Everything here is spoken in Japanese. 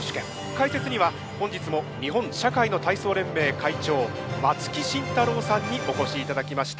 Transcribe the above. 解説には本日も日本社会の体操連盟会長松木慎太郎さんにお越しいただきました。